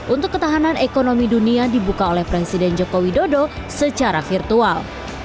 untuk ketahanan ekonomi dunia dibuka oleh presiden joko widodo secara virtual